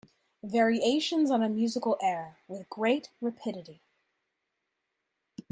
Variations on a musical air With great rapidity.